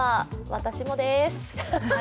私もです。